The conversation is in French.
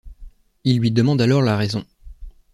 Il lui demande alors la raison.